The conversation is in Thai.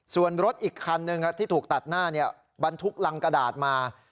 ส่วนรถอีกคันหนึ่งที่ถูกตัดหน้าบรรทุกรังกระดาษมา